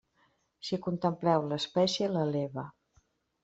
Si contempleu l'espècie, l'eleva.